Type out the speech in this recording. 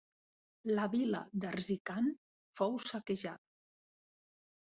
La vila d'Erzincan fou saquejada.